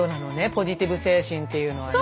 ポジティブ精神っていうのはね。